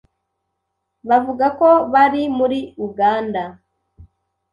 bavuga ko bari muri Uganda